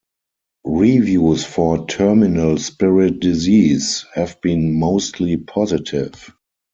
Reviews for "Terminal Spirit Disease" have been mostly positive.